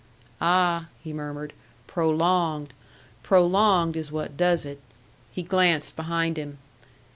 "Ah," he murmured, "prolonged! Prolonged is what does it." He glanced behind him.